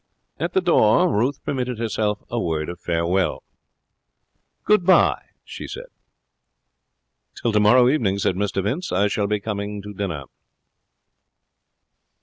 At the door Ruth permitted herself a word of farewell. 'Good bye,' she said. 'Till tomorrow evening,' said Mr Vince. 'I shall be coming to dinner.'